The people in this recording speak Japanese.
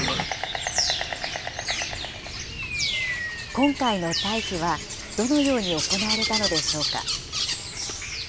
今回の退避はどのように行われたのでしょうか。